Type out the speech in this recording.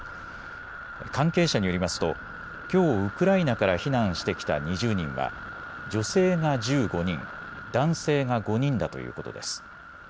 関係者によりますときょうウクライナから避難してきた２０人は女性が１５人、男性が５人だということです。